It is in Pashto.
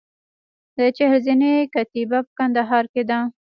د چهل زینې کتیبه په کندهار کې ده